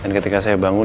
dan ketika saya bangun